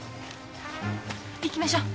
行きましょう！